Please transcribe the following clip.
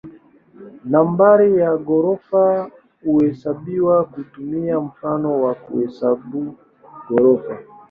Nambari ya ghorofa huhesabiwa kutumia mfumo wa kuhesabu ghorofa.